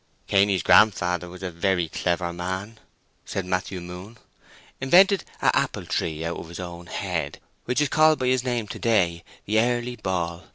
"Cainy's grandfather was a very clever man," said Matthew Moon. "Invented a' apple tree out of his own head, which is called by his name to this day—the Early Ball.